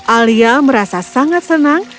alia merasa sangat senang